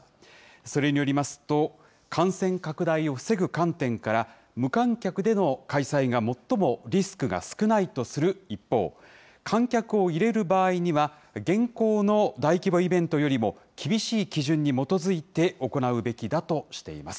それによりますと、感染拡大を防ぐ観点から、無観客での開催が最もリスクが少ないとする一方、観客を入れる場合には、現行の大規模イベントよりも厳しい基準に基づいて行うべきだとしています。